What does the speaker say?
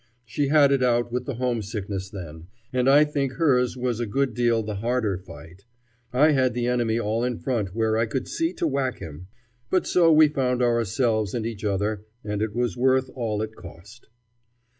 She had it out with the homesickness then, and I think hers was a good deal the harder fight. I had the enemy all in front where I could see to whack him. But so we found ourselves and each other, and it was worth all it cost.